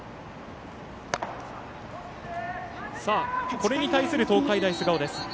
これに対する東海大菅生です。